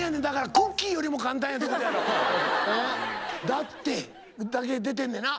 「だって」だけ出てんのやな。